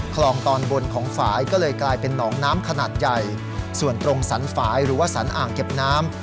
คลองตอนบนของฝ่ายก็เลยกลายเป็นหนองน้ำขนาดใหญ่ส่วนตรงสรรฝ่ายหรือว่าสันอ่างเก็บน้ำ